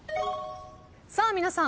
さあ皆さん